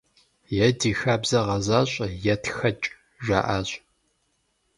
Е ди хабзэ гъэзащӀэ, е тхэкӀ, - жаӀащ.